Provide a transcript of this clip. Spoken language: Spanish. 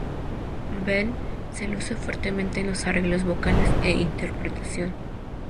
Bell se luce fuertemente en los arreglos vocales e interpretación.